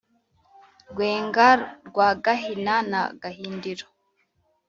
rwenga rwa gahina na gahindirio